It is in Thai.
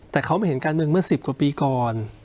แต่เขาไม่เห็นการเมืองเมื่อ๑๐กว่าปีก่อน